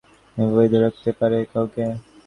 কিন্তু ফেসবুকে কী এমন আছে যা এভাবে ধরে রাখতে পারে কাউকে?